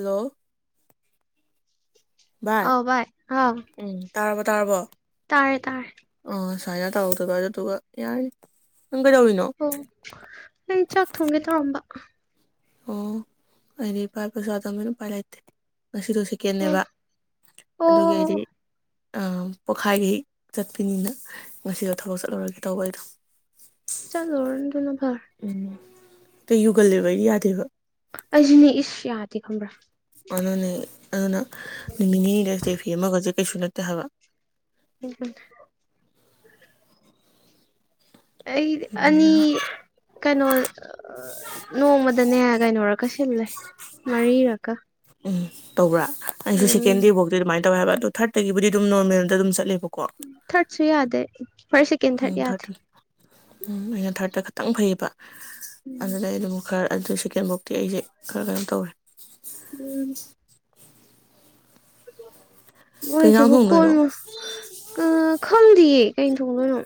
hello ꯑꯥꯎ ꯚꯏ ꯑꯥꯎ ꯎꯝ ꯇꯥꯔꯕꯣ ꯇꯥꯔꯕꯣ ꯇꯥꯔꯦ ꯇꯥꯔꯦ ꯊꯅ ꯇꯥꯎꯗ ꯀ ꯑꯗꯨꯣ ꯇꯒ ꯌꯥꯔ ꯑꯣ ꯑꯩ ꯆꯥꯛ ꯊꯣꯡꯒꯦ ꯊꯧꯔꯝꯕ ꯑ ꯑꯣ ꯑꯅꯤ ꯄꯔꯄꯁꯥꯗ ꯃꯅ ꯄꯂ ꯏꯦ ꯉꯁꯤꯗꯣ ꯑꯣ ꯁꯦꯀꯦꯟꯅꯦꯕ ꯑꯗꯨꯒꯤ ꯑꯩꯗꯤ ꯑꯣ ꯄꯣꯛꯈꯥꯏꯈꯩ ꯆꯠꯄꯅꯤꯅ ꯉꯁꯤꯗꯣ ꯊꯕꯛ ꯆꯠꯍꯨꯔꯒꯦ ꯇꯧꯕ ꯑꯩꯗꯣ ꯆꯂꯣ ꯑꯔꯟꯗꯅꯚꯔ ꯀꯩꯌꯨꯒꯂꯦꯕꯩꯍꯤ ꯑꯕ ꯑꯩꯁꯨꯅꯦ ꯏꯁ ꯌꯥꯗꯦ ꯈꯪꯕ꯭ꯔꯥ ꯑꯅꯅꯤ ꯑꯗꯨꯅ ꯅꯨꯃꯤꯠ ꯅꯤꯅꯤꯗ ꯁꯤꯗꯩ ꯐꯤ ꯑꯃꯈꯖꯤꯛ ꯑꯩꯁꯨꯅꯠꯇ ꯍꯕ ꯎꯝꯝ ꯑꯩꯗꯤ ꯑꯅꯤ ꯀꯩꯅꯣ ꯅꯣꯡꯃꯗꯅꯦ ꯀꯩꯅꯣꯔꯀ ꯁꯤꯝꯂꯦ ꯃꯔꯤꯔꯀ ꯎꯝ ꯇꯧꯕ꯭ꯔꯥ ꯑꯩꯁꯨꯁꯤ ꯀꯦꯟꯗꯤ ꯕꯛꯇ ꯃꯥꯏ ꯇ ꯍ ꯍꯥꯏꯕꯦ ꯑꯗ ꯊꯥꯔꯠꯇꯒꯤꯕꯨꯗꯤ ꯑꯗꯨꯝ ꯅꯣꯔꯃꯦꯜꯗ ꯑꯗꯨꯝ ꯆꯠꯂꯦꯕ ꯊꯠꯁꯨ ꯌꯥꯗꯦ ꯐꯥꯔꯁ ꯁꯦꯀꯦꯟ ꯊꯥꯔꯠ ꯎꯝ ꯌꯥꯗꯦ ꯊꯔꯇ ꯎꯝ ꯑ ꯊꯔꯇ ꯈꯤꯇꯪ ꯐꯩꯌꯦꯕ ꯎꯝ ꯑꯗꯨꯗ ꯑꯗꯨꯃ ꯈ ꯑꯗꯨ ꯁꯦꯀꯦꯟꯐꯧꯛꯇꯤ ꯑꯩꯁꯦ ꯈꯔ ꯀꯩꯅꯣ ꯇꯧꯔꯦ ꯎꯝ ꯀꯩ ꯏꯟꯖꯥꯡ ꯃꯣꯏꯁꯤꯕꯨ ꯊꯣꯡꯗꯣꯏꯅꯣ ꯀꯣꯟꯃ ꯈꯪꯗꯌꯦ ꯀꯩꯅ ꯊꯣꯡꯗꯣꯏꯅꯣ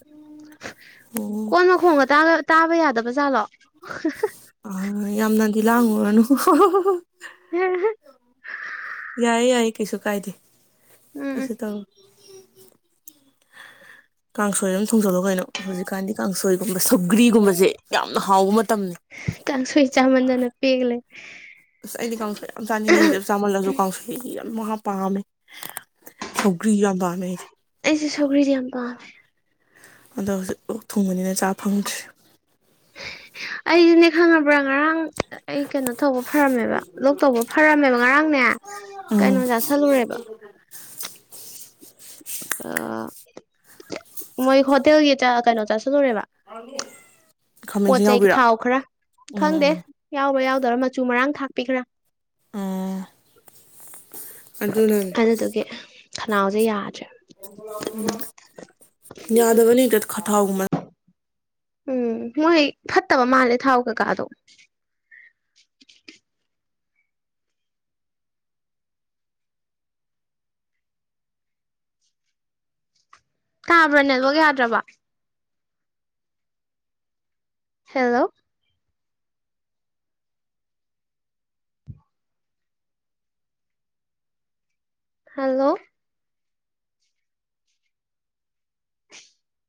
ꯑꯣ ꯀꯣꯟ ꯃꯈꯣꯡꯒ ꯇꯥꯒ ꯇꯥꯕ ꯌꯥꯗꯕ ꯖꯥꯠꯂꯣ ꯑ ꯌꯥꯝꯅꯗꯤ ꯂꯥꯡꯉꯨꯔꯅꯨ ꯍꯝ ꯌꯥꯏꯌꯦ ꯌꯥꯏꯌꯦ ꯀꯩꯁꯨ ꯀꯥꯏꯗꯦ ꯀ ꯎꯝ ꯇ ꯀꯥꯡꯁꯣꯏ ꯑꯗꯨꯝ ꯊꯨꯡꯖꯤꯜꯂꯣ ꯀꯩꯅꯣ ꯍꯧꯖꯤꯛꯀꯥꯟꯗꯤ ꯀꯥꯡꯁꯣꯏ ꯁꯕꯒ꯭ꯔꯤꯒꯨꯝꯕꯁꯦ ꯌꯥꯝꯅ ꯍꯥꯎꯕ ꯃꯇꯝꯅꯤ ꯀꯥꯡꯁꯣꯏ ꯆꯥꯃꯟꯗꯅ ꯄꯦꯜꯂꯦ ꯑꯁ ꯑꯩꯗꯤ ꯀꯥꯡꯁꯣꯏ ꯋꯥꯍ ꯄꯥꯃꯦ ꯁ ꯑꯩꯁꯦ ꯁꯒꯔꯤꯗꯤ ꯌꯥꯝꯝ ꯄ ꯑꯗꯣ ꯍꯧꯖꯤꯛ ꯑꯣ ꯊꯨꯡꯕꯅꯤꯅ ꯆꯥ ꯐꯪꯗ꯭ꯔꯤ ꯑꯩꯗꯨꯅꯦ ꯈꯪꯉꯕ꯭ꯔꯥ ꯉꯔꯥꯡ ꯑꯩ ꯀꯩꯅꯣ ꯇꯧꯕ ꯐꯔꯝꯃꯦꯕ ꯂꯣꯛ ꯇꯧꯕ ꯐꯔꯝꯃꯦꯕ ꯉꯔꯥꯡꯅꯦ ꯎꯝ ꯀꯩꯅꯣ ꯆꯥꯥꯁꯜꯂꯨꯔꯦꯕ ꯑꯥ ꯃꯣꯏ ꯍꯗꯒ ꯆ ꯀꯥꯏꯅ ꯆꯗꯧꯔꯃ ꯑꯅꯦ ꯄꯣꯠ ꯆꯩ ꯊꯥꯎ ꯈꯔ ꯎꯝ ꯈꯪꯗꯦ ꯎꯝ ꯌꯥꯎꯕ ꯌꯥꯎ ꯑꯗꯨꯧꯔꯥ ꯃꯆꯨ ꯃꯔꯥꯡ ꯊꯥꯛꯄꯤꯈ꯭ꯔꯥ ꯎꯝ ꯑꯗꯨꯅꯅꯦ ꯑꯗꯨ ꯇꯀꯦ [unintelligible] ꯈꯅꯥꯎꯁꯦ ꯌꯥꯗ꯭ꯔꯦ ꯌꯥꯗꯕꯅꯤ ꯇꯠ ꯈꯇ ꯎꯝ ꯃꯣꯏ ꯐꯠꯇꯕ ꯃꯥꯜꯂꯦ ꯊꯥꯎ ꯀꯀꯥꯗꯣ ꯇꯥꯕ꯭ꯔꯥ ꯅꯦꯠꯋꯛ ꯌꯥꯗ꯭ꯔꯕ ꯍꯦꯜꯂꯣ ꯍꯜꯂꯣ [unintelligible]